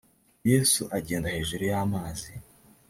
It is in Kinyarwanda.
yesu agenda hejuru y’amazi